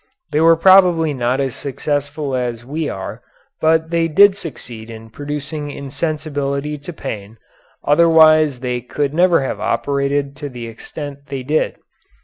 They were probably not as successful as we are, but they did succeed in producing insensibility to pain, otherwise they could never have operated to the extent they did.